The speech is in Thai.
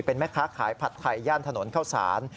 เป็นแม่ค้าขายผัดไทยย่านถนนเข้าสาร